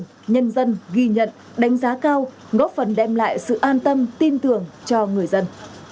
nhân dân ghi nhận đánh giá cao góp phần đem lại sự an tâm tin tưởng cho người dân